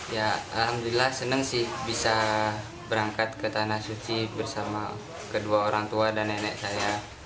ya alhamdulillah senang sih bisa berangkat ke tanah suci bersama kedua orang tua dan nenek saya